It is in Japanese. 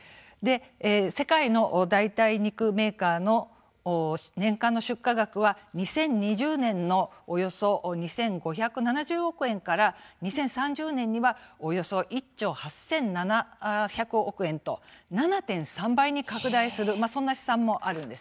世界の代替肉メーカーの年間の出荷額は２０２０年のおよそ２５７０億円から２０３０年には、およそ１兆８７００億円と７．３倍に拡大するそんな試算もあるんです。